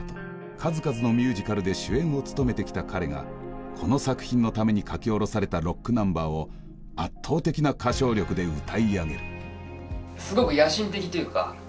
数々のミュージカルで主演を務めてきた彼がこの作品のために書き下ろされたロックナンバーを圧倒的な歌唱力で歌い上げる。